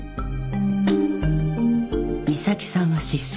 「美咲さんは失踪